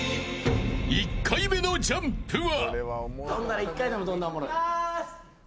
１回目のジャンプは。